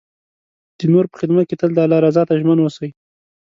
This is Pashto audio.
د نور په خدمت کې تل د الله رضا ته ژمن اوسئ.